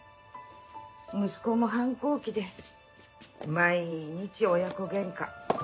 息子も反抗期で毎日親子喧嘩。